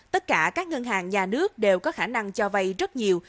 tất cả các ngân hàng nhà nước đều có khả năng cho vay rất nhiều